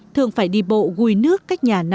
thường phải đi bộ gùi nước cách nhà